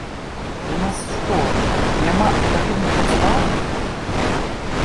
У нас што, няма адпаведных падстаў?